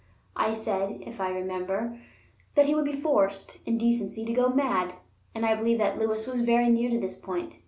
I said, if I remember, that he would be forced, in decency, to go mad; and I believe that Lewis was very near to this point.